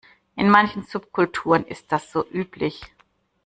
In manchen Subkulturen ist das so üblich.